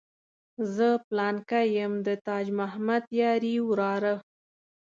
زه پلانکی یم د تاج محمد یاري وراره.